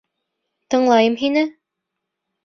Тыңлайым һине.